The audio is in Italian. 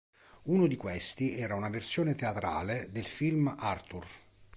Uno di questi era una versione teatrale del film "Arthur".